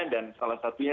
dan salah satunya